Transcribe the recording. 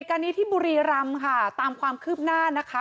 การนี้ที่บุรีรำค่ะตามความคืบหน้านะคะ